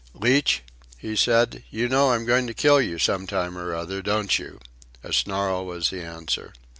"Leach," he said, "you know I'm going to kill you some time or other, don't you?" A snarl was the answer.